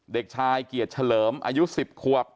เด็กชายเกียรติเฉลิมอายุ๑๐ขวบ